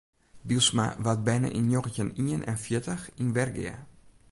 Bylsma waard berne yn njoggentjin ien en fjirtich yn Wergea.